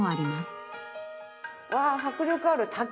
わあ迫力ある滝！